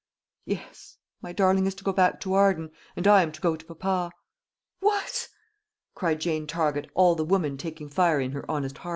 "Yes; my darling is to go back to Arden, and I am to go to papa." "What!" cried Jane Target, all the woman taking fire in her honest heart.